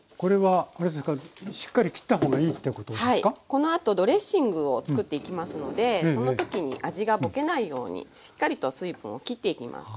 このあとドレッシングを作っていきますのでその時に味がぼけないようにしっかりと水分を切っていきます。